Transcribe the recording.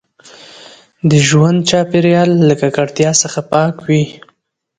د ژوند چاپیریال له ککړتیا څخه پاک وي.